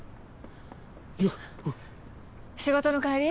仕事の帰り？